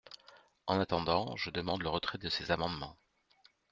En attendant, je demande le retrait de ces amendements.